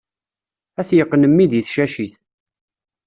Ad t-yeqqen mmi di tcacit.